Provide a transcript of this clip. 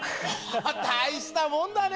たいしたもんだね！